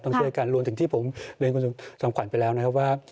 ต้องช่วยกันรวมถึงที่ผมเรียนคุณจอมขวัญไปแล้วนะครับว่า